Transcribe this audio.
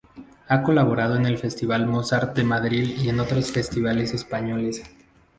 Ha colaborado en el Festival Mozart de Madrid y en otros festivales españoles.